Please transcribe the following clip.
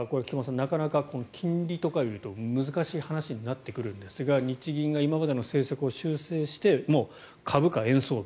なかなか金利とかいうと難しい話になってくるんですが日銀が今までの政策を修正して株価、円相場